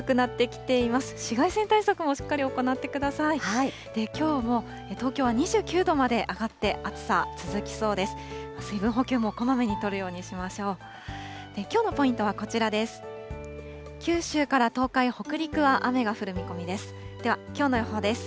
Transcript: きょうも東京は２９度まで上がって、暑さ続きそうです。